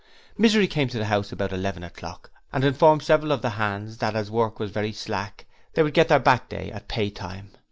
Misery came to the house about eleven o'clock and informed several of the hands that as work was very slack they would get their back day at pay time.